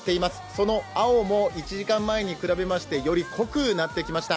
その青も１時間前に比べましてより濃くなってきました。